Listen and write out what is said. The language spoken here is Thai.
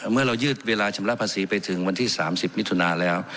เมื่อเรายืดเวลาชำระภาษีไปถึงวันที่๓๐มิถุนาแล้ว